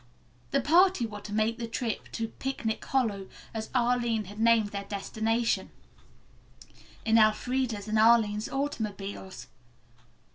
The party were to make the trip to "Picnic Hollow," as Arline had named their destination, in Elfreda's and Arline's automobiles.